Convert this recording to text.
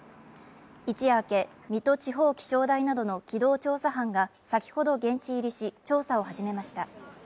一夜明け水戸地方気象台などの機動調査班が、先ほど現地入りし、調査を始めました。